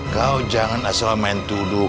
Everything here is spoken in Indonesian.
kau jangan asal main tuduh